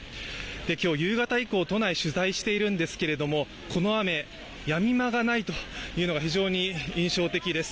今日夕方以降、都内取材しているんですがこの雨、やむ間がないというのが非常に印象的です。